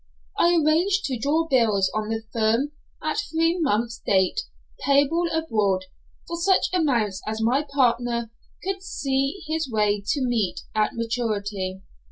I arranged to draw bills on the firm at three months' date, payable abroad, for such amounts as my partner could see his way to meet at maturity.